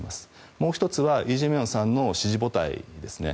もう１つはイ・ジェミョンさんの支持母体ですね。